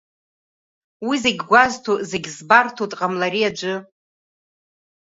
Уи зегь гәазҭо, зегь збарҭоу, дҟамлари аӡәы?